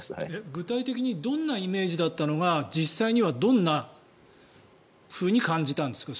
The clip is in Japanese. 具体的にどんなイメージだったのがどんなふうに感じたんですか？